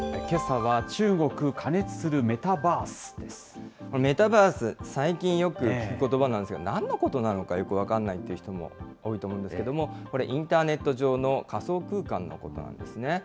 けさは、中メタバース、最近よく聞くことばなんですが、なんのことなのか、よく分かんないという人も多いと思うんですけども、これ、インターネット上の仮想空間のことなんですね。